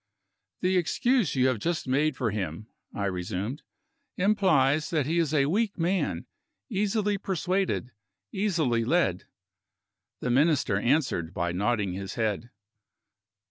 "The excuse you have just made for him," I resumed, "implies that he is a weak man; easily persuaded, easily led." The Minister answered by nodding his head.